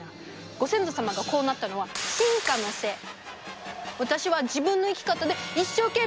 ご先祖様がこうなったのは私は自分の生き方で一生懸命生きてるだけ！